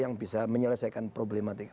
yang bisa menyelesaikan problematika